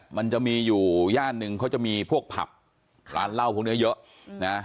มันจะมีอยู่ย่านหนึ่งเขาจะมีพวกผับลาวพวกนี้เยอะอืมนะ